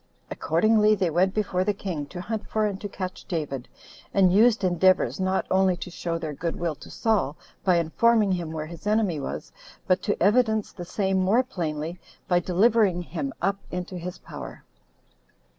Accordingly they went before the king, to hunt for and to catch David, and used endeavors, not only to show their good will to Saul, by informing him where his enemy was, but to evidence the same more plainly by delivering him up into his power.